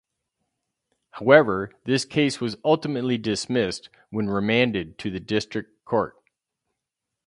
However, this case was ultimately dismissed when remanded to the District Court.